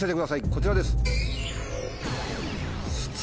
こちらです。